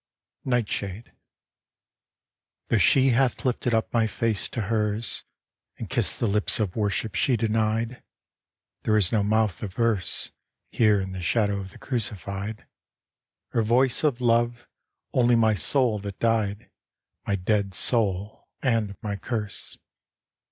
NIGHTSHADE I Though she hath lifted up my face to hers, And kissed the lips of worship she denied, There is no mouth of verse, Here in the shadow of the crucified, Or voice of love; only my soul that died, My dead soul and my curse!